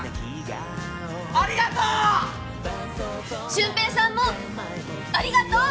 俊平さんもありがとう！